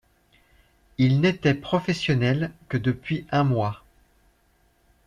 Il n'était professionnel que depuis un mois.